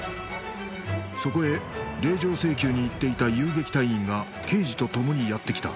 そこへ令状請求に行っていた遊撃隊員が刑事とともにやってきた